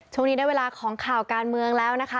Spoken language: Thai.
ช่วงนี้ได้เวลาของข่าวการเมืองแล้วนะคะ